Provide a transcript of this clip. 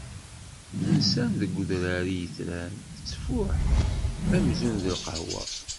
Nsan deg udrar i yetran, tettfuḥ amzun d lqahwa.